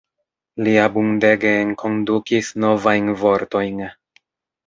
Li abundege enkondukis novajn vortojn.